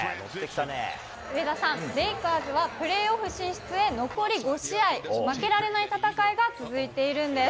上田さん、レイカーズはプレーオフ進出へ残り５試合、負けられない戦いが続いているんです。